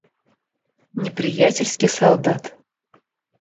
Неприятельский солдат.